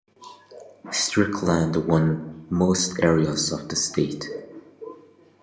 Strickland won most areas of the state.